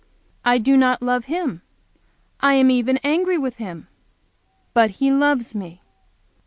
I do not love Him, I am even angry with Him! But He loves me!